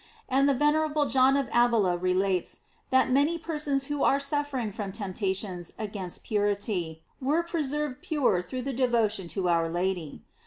And the ven erable John of Avila relates that many persons who were suffering from temptations against purity, were preserved pure through the devotion to our Lady.